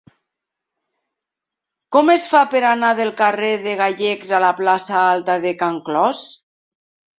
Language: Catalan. Com es fa per anar del carrer de Gallecs a la plaça Alta de Can Clos?